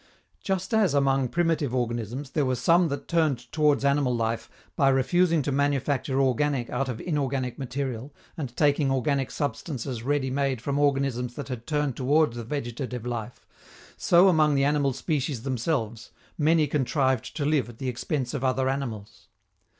Just as among primitive organisms there were some that turned towards animal life by refusing to manufacture organic out of inorganic material and taking organic substances ready made from organisms that had turned toward the vegetative life, so, among the animal species themselves, many contrived to live at the expense of other animals.